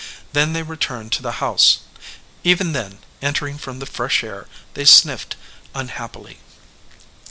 Then they returned to the house. Even then, entering from the fresh air, they sniffed unhappily.